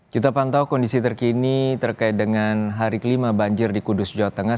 kita pantau kondisi terkini terkait dengan hari kelima banjir di kudus jawa tengah